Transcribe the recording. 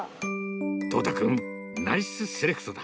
統太君、ナイスセレクトだ。